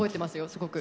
すごく。